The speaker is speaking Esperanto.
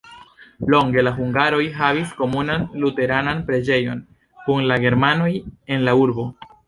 Longe la hungaroj havis komunan luteranan preĝejon kun la germanoj en la urbo.